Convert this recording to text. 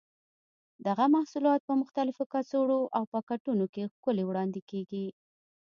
دغه محصولات په مختلفو کڅوړو او پاکټونو کې ښکلي وړاندې کېږي.